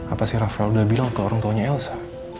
apa sih raffael udah bilang ke orang taunya elsa